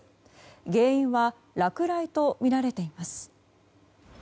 原因は落雷とみられています。